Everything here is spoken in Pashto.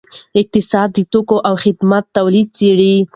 اقتصاد د توکو او خدماتو تولید څیړي.